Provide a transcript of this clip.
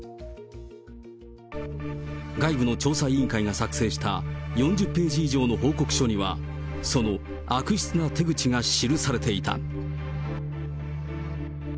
外部の調査委員会が作成した４０ページ以上の報告書には、その悪質な手口が記されていた。